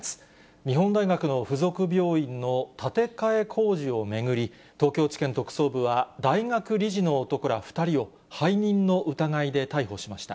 日本大学の付属病院の建て替え工事を巡り、東京地検特捜部は、大学理事の男ら２人を、背任の疑いで逮捕しました。